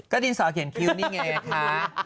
ดินสอเขียนคิ้วนี่ไงคะ